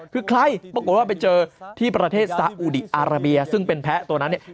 คือใครปรากฏว่าไปเจอที่ประเทศสาอุดีอาราเบียซึ่งเป็นแพ้ตัวนั้นเนี่ย